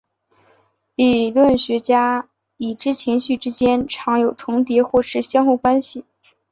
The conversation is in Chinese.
理论学家已知情绪之间常有重叠或是相互关系。